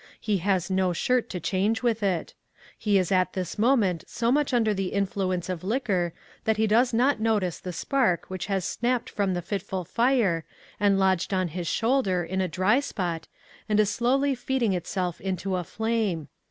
He has no shirt to change with it. He is at this moment so much under the influ ence of liquor that he does not notice the spurk which lias snapped from the fitful fire, and lodged on his shoulder, in a dry spot, and is slowly feeding itself into a flame.